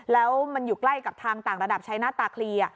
แล้วมันอยู่ใกล้กับทางต่างระดับใช้หน้าตาคลี